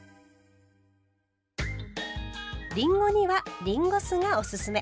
りんごにはりんご酢がおすすめ。